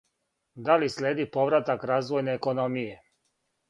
Да ли следи повратак развојне економије?